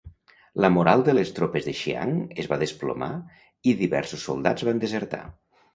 La moral de les tropes de Xiang es va desplomar i diversos soldats van desertar.